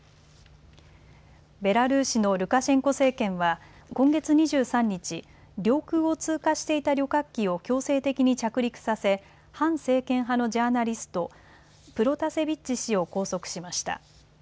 ベラルーシのルカシェンコ政権は今月２３日、領空を通過していた旅客機を強制的に着陸させ反政権派のジャーナリスト、プロタセビッチ氏を拘束しました。